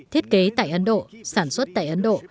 thiết kế tại ấn độ sản xuất tại ấn độ